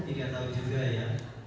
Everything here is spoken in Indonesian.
tidak tahu juga ya